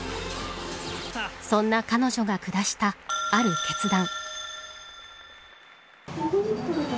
そんな彼女が下したある決断。